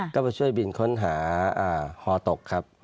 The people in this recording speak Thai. ก็ช่วยบินค้นหาหอตก